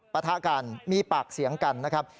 ปะทะกันมีปากเสียงกันนะครับ